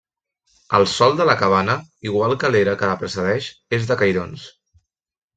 El sòl de la cabana, igual que l'era que la precedeix, és de cairons.